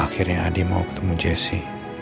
akhirnya adi mau ketemu jesse